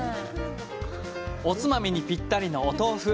おつまみにぴったりのお豆腐。